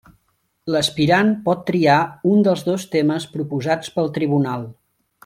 L'aspirant pot triar un dels dos temes proposats pel tribunal.